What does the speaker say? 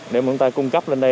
để chúng ta cung cấp lên đây